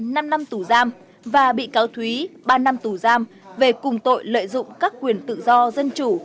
năm năm tù giam và bị cáo thúy ba năm tù giam về cùng tội lợi dụng các quyền tự do dân chủ